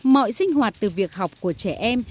mọi sinh hoạt từ việc học của trẻ em